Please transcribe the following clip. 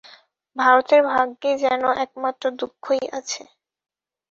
ভারতের ভাগ্যে যেন একমাত্র দুঃখই আছে।